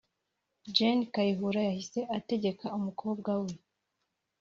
Gen Kayihura yahise ategeka umukobwa we